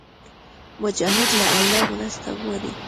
مجاهد له الله مرسته غواړي.